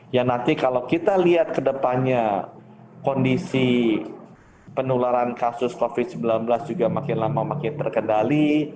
ya nanti kalau kita lihat ke depannya kondisi penularan kasus covid sembilan belas juga makin lama makin terkendali